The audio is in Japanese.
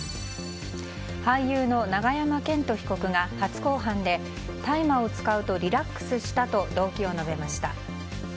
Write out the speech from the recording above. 俳優の永山絢斗被告が初公判で大麻を使うとリラックスしたと動機を述べました。